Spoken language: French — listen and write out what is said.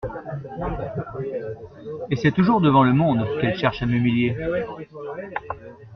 Et c’est toujours devant le monde, Qu’elle cherche à m’humilier !